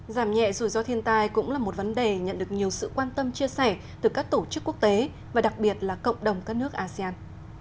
giảm nhẹ rủi ro thiên tai cũng là một vấn đề nhận được nhiều sự quan tâm chia sẻ từ các tổ chức quốc tế và đặc biệt là cộng đồng các nước asean